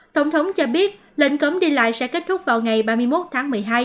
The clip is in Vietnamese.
tổng thống cho biết lệnh cấm đi lại sẽ kết thúc vào ngày ba mươi một tháng một mươi hai